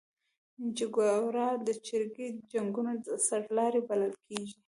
چیګوارا د چریکي جنګونو سرلاری بللل کیږي